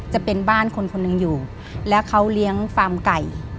จะเป็นบ้านคนคนหนึ่งอยู่แล้วเขาเลี้ยงฟาร์มไก่